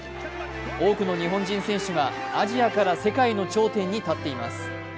多くの日本人選手がアジアから世界の頂点に立っています。